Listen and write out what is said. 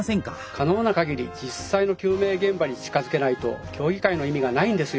可能なかぎり実際の救命現場に近づけないと競技会の意味がないんですよ。